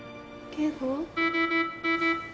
圭吾